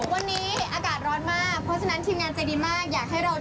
วันนี้บอกว่าให้เรามาสวนสนุกตกลงนี่สวนสนุกหรือข้าวอาหารเนี่ย